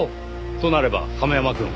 となれば亀山くん。